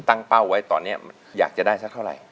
เป้าไว้ตอนนี้อยากจะได้สักเท่าไหร่